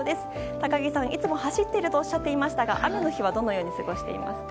高木さん、いつも走っているとおっしゃっていましたが雨の日はどのように過ごしていますか？